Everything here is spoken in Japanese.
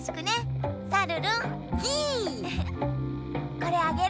これあげる。